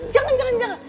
jangan jangan jangan